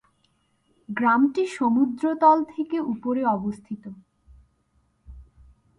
গ্রামটি সমুদ্রতল থেকে উপরে অবস্থিত।